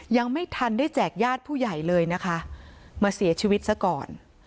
ยังไม่ทันได้แจกญาติผู้ใหญ่เลยนะคะมาเสียชีวิตซะก่อน